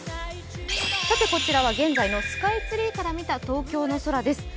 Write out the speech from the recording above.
こちらは現在のスカイツリーから見た東京の空です。